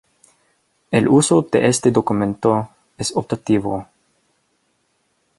El uso de este documento es optativo.